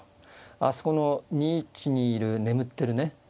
あそこの２一にいる眠ってるね